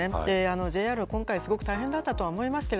ＪＲは今回すごく大変だったと思います。